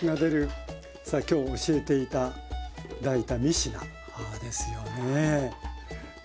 さあきょう教えて頂いた３品ですよね。